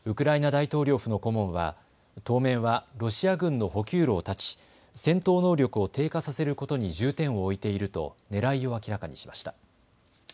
大統領府の顧問は当面はロシア軍の補給路を断ち戦闘能力を低下させることに重点を置いているとねらいを明らかにしました。